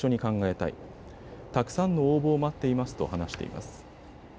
たくさんの応募を待っていますと話しています。